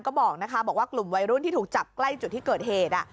ก็บอกนะคะบอกว่ากลุ่มวัยรุ่นที่ถูกจับใกล้จุดที่เกิดเหตุ